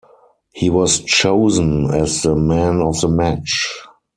He was chosen as the Man of the Match.